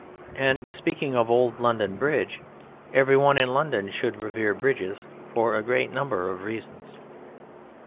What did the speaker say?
And speaking of old London Bridge, every one in London should revere bridges, for a great number of reasons.